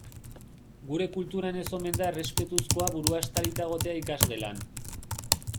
Gure kulturan ez omen da errespetuzkoa burua estalita egotea ikasgelan.